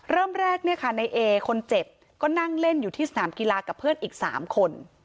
เริ่มแรกเนี่ยค่ะในเอคนเจ็บก็นั่งเล่นอยู่ที่สนามกีฬากับเพื่อนอีก๓คน